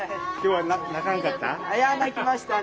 いや泣きましたね。